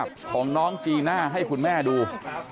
เพื่อนบ้านเจ้าหน้าที่อำรวจกู้ภัย